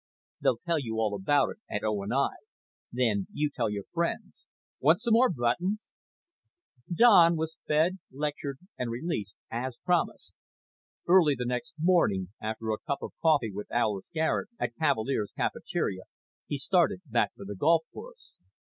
They'll tell you all about it at O. & I. Then you tell your friends. Want some more buttons?" Don was fed, lectured, and released, as promised. Early the next morning, after a cup of coffee with Alis Garet at Cavalier's cafeteria, he started back for the golf course.